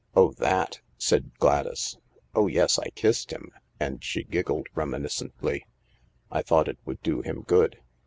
" Oh, that!" said Gladys. " Oh yes, I kissed him," and she giggled reminiscently. "I thought it would do him good.